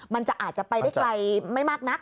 มันจะอาจจะไปได้ไกลไม่มากนัก